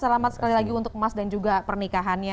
selamat sekali lagi untuk emas dan juga pernikahannya